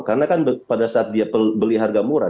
karena kan pada saat dia beli harga murah